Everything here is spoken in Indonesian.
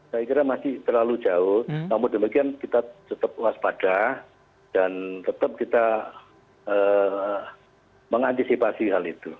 saya kira masih terlalu jauh namun demikian kita tetap waspada dan tetap kita mengantisipasi hal itu